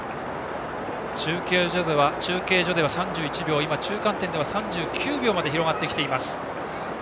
中継所では３１秒今、中間点では３９秒まで広がってきています。